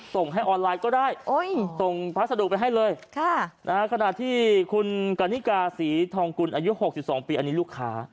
ส่งให้ออนไลน์ก็ได้ส่งพัสดุไปให้เลยขณะที่คุณกันนิกาศรีทองกุลอายุ๖๒ปีอันนี้ลูกค้า